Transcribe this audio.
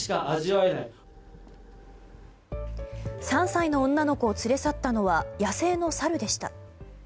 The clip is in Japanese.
３歳の女の子を連れ去ったのは野生のサルでした。